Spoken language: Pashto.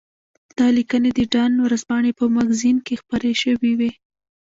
دا لیکنې د ډان ورځپاڼې په مګزین کې خپرې شوې وې.